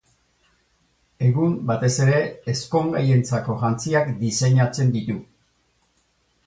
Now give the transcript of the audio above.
Egun, batez ere, ezkongaientzako jantziak diseinatzen ditu.